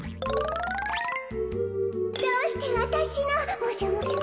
どうしてわたしのモショモショ。